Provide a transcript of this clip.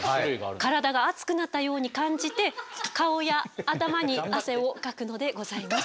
体が熱くなったように感じて顔や頭に汗をかくのでございます。